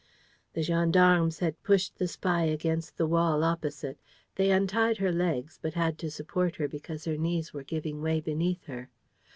The gendarmes had pushed the spy against the wall opposite. They untied her legs, but had to support her, because her knees were giving way beneath her.